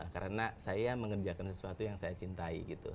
karena saya mengerjakan sesuatu yang saya cintai gitu